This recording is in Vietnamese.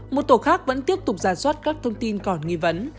một tổ khác vẫn tiếp tục ra soát các thông tin còn nghi vấn